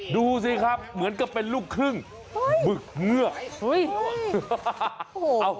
ดูสิครับเหมือนกับเป็นลูกครึ่งบึกเงือก